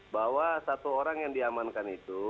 bahwa satu orang yang diamankan itu